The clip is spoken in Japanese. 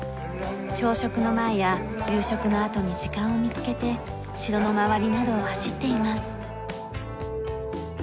朝食の前や夕食のあとに時間を見つけて城の周りなどを走っています。